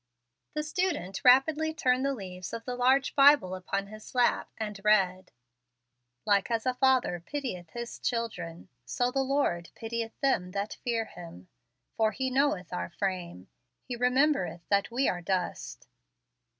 The student rapidly turned the leaves of the large Bible upon his lap, and read: "Like as a father pitieth his children, so the Lord pitieth them that fear Him. "For He knoweth our frame: He remembereth that we are dust."